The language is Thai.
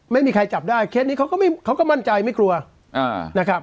ไม่มีใครจับได้เคสนี้เขาก็ไม่เขาก็มั่นใจไม่กลัวนะครับ